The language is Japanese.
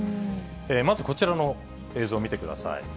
まずこちらの映像見てください。